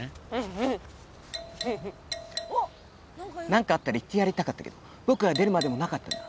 何かあったらいってやりたかったけど僕が出るまでもなかったな。